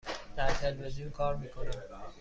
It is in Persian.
در تلویزیون کار می کنم.